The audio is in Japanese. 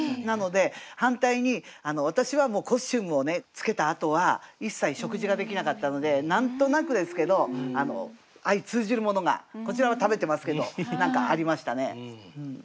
なので反対に私はもうコスチュームを着けたあとは一切食事ができなかったので何となくですけど相通じるものがこちらは食べてますけど何かありましたね。